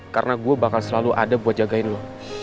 karena gue bakal selalu ada buat jagain lo